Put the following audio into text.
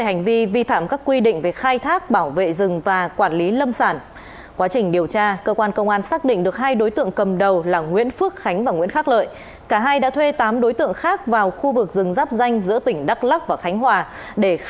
hãy đăng ký kênh để ủng hộ kênh của chúng mình nhé